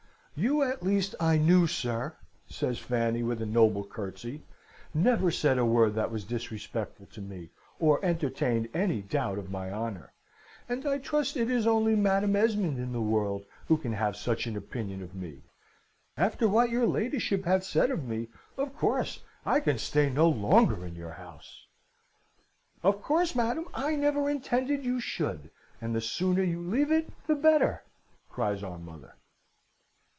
"'You, at least, I knew, sir,' says Fanny, with a noble curtsey, 'never said a word that was disrespectful to me, or entertained any doubt of my honour. And I trust it is only Madam Esmond, in the world, who can have such an opinion of me. After what your ladyship hath said of me, of course I can stay no longer in your house.' "'Of course, madam, I never intended you should; and the sooner you leave it the better,' cries our mother.